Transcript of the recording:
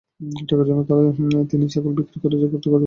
টাকার জন্য তাড়া দিলে তিনি ছাগল বিক্রি করে টাকা জোগাড় করেন।